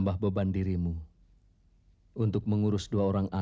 tapi saya tidak akan menyelamatkanmu